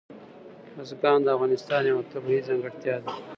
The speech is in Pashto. بزګان د افغانستان یوه طبیعي ځانګړتیا ده.